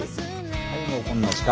はいもうこんな時間。